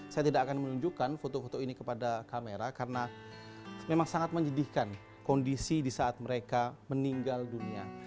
saya tidak akan menunjukkan foto foto ini kepada kamera karena memang sangat menyedihkan kondisi di saat mereka meninggal dunia